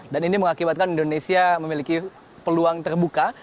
dan ini mengakibatkan indonesia memiliki peluang terbuka